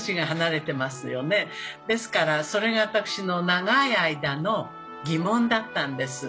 ですからそれが私の長い間の疑問だったんです。